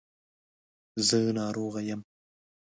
زه ناروغه یم .